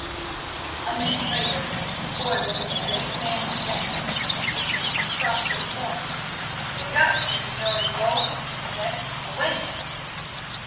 A minute later Foy was in the great man's den and kicking at his prostrate form. "Wake up, you snoring bull," he said, "awake!"